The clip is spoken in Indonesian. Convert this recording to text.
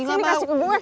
sini kasih ke gue